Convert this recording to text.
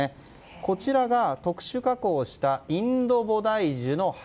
こちらが特殊加工したインドボダイジュの葉。